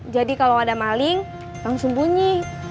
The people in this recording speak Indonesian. jadi kalo ada maling langsung bunyi